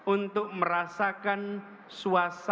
untuk merasakan suasana terdalam saya